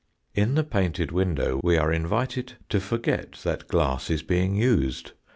In the painted window we are invited to forget that glass is being used.